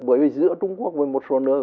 bởi vì giữa trung quốc với một số nước